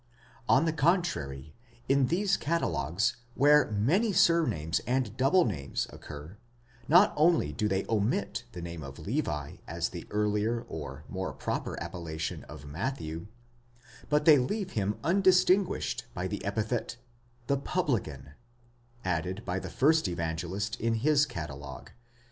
On the contrary, in these catalogues, where many surnames and double names occur, not only do they omit the name of Levi as the earlier or more proper appellation of Matthew, but they leave him undistinguished by the epithet, ὃ τελώνης (the publican), added by the first Evangelist in his catalogue (x.